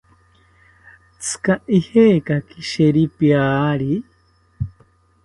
¿Tzika ijekaki sheripiari?